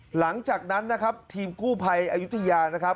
หลังจากนั้นนะครับทีมกู้ภัยอายุทยานะครับ